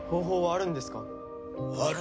ある。